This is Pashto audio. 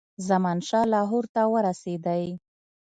زمانشاه لاهور ته ورسېدی.